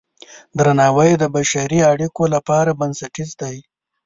درناوی د بشري اړیکو لپاره بنسټیز دی.